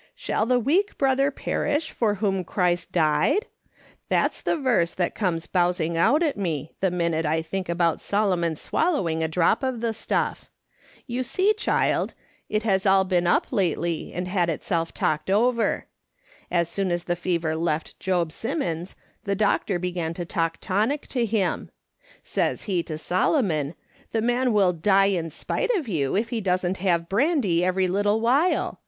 ' Shall the weak brother perish for whom Christ died ?' That's the verse that comes bowsing out at me the miiuite I think about Solomon swallowing a drop of the stuff. You see, child, it has all been up lately and had itself talked "THERE WASN'T ANYTHING ELSE TO DOr 301 over. As soon as the fever left Job Simmons the doctor began to talk tonic to him ; says he to Solo mon :' The man will die in spite of you, if he doesn't have brand}' every little while.